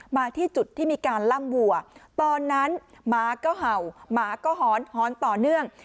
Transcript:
มาที่จุดที่มีการล่ำวัวตอนนั้นหมาก็เห่าหมาก็หอนหอนต่อเนื่อง